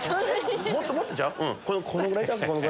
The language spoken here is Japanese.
もっとじゃんこのぐらいじゃん？